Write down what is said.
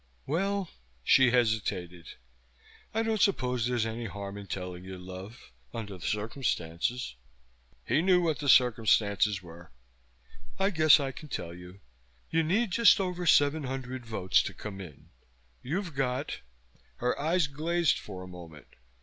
"Well." She hesitated. "I don't suppose there's any harm in telling you, love, under the circumstances " He knew what the circumstances were. "I guess I can tell you. You need just over seven hundred votes to come in. You've got " Her eyes glazed for a moment.